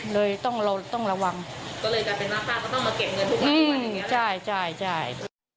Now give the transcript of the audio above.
เลยต้องระวังก็เลยกลายเป็นมาตราต้องมาเก็บเงินทุกวันใช่